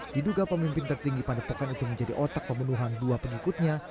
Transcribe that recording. diduga pemimpin tertinggi padepokan itu menjadi otak pembunuhan dua pengikutnya